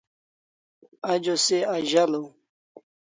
Ajo se azalaw